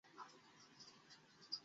তার মতিগতি ভালো ঠেকছে না।